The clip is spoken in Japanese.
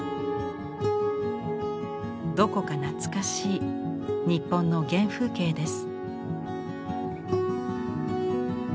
どこか懐かしい日本の原風景です。